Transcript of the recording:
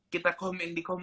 kita komen di